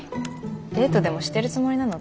デートでもしてるつもりなの？